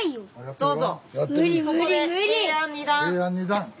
どうぞ！